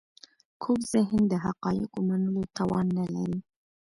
کوږ ذهن د حقایقو منلو توان نه لري